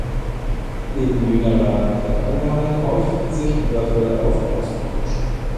In jüngerer Vergangenheit häuften sich Überfälle auf Postkutschen.